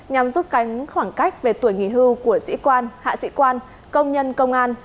nhằm giúp cánh khoảng cách về tuổi nghỉ hưu của sĩ quan hạ sĩ quan công nhân công an